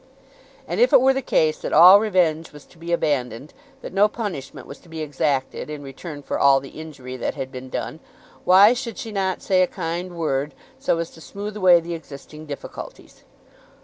And if it were the case that all revenge was to be abandoned, that no punishment was to be exacted in return for all the injury that had been done, why should she not say a kind word so as to smooth away the existing difficulties?